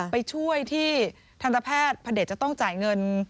ไปช่วยที่ทันตแพทย์พระเด็จจะต้องจ่ายเงิน